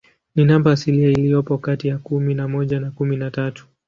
Ni namba asilia iliyopo kati ya kumi na moja na kumi na tatu.